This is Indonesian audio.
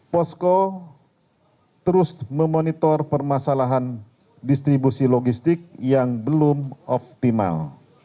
posko terus memonitor permasalahan distribusi logistik yang belum optimal